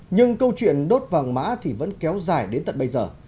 nhưng câu chuyện đốt vàng mã thì vẫn kéo dài đến tận bây giờ